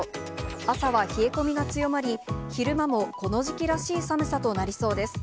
朝は冷え込みが強まり、昼間もこの時期らしい寒さとなりそうです。